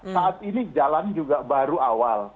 saat ini jalan juga baru awal